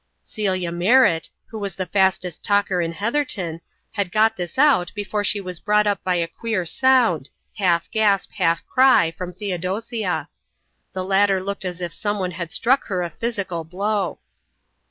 Cecilia Merritt, who was the fastest talker in Heatherton, had got this out before she was brought up by a queer sound, half gasp, half cry, from Theodosia. The latter looked as if someone had struck her a physical blow.